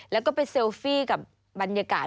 แล้วก็ไปเซลฟี่กับบรรยากาศ